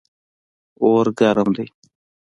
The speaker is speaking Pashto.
اور ګرم ده